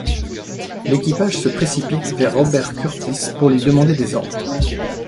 L’équipage se précipite vers Robert Kurtis, pour lui demander des ordres.